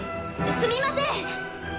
すみません！